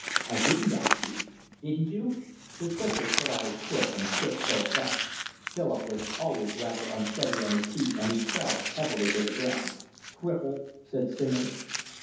"I didn't ask you." "Didn't you!" He quickly put out his foot and tripped Philip up. Philip was always rather unsteady on his feet, and he fell heavily to the ground. "Cripple," said Singer.